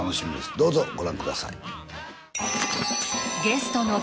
どうぞご覧ください。